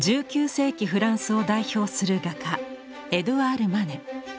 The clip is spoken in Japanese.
１９世紀フランスを代表する画家エドゥアール・マネ。